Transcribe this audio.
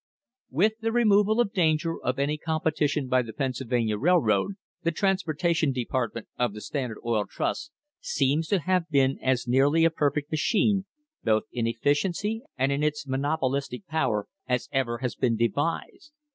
With the removal of danger of any competition by the Pennsylvania Railroad, the transportation department of the Standard Oil Trust seems to have been as nearly a perfect machine, both in efficiency and in its monopolistic power, as ever has been devised.